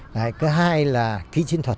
cái hai là kỹ chiến thuật